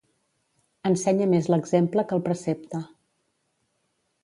Ensenya més l'exemple que el precepte.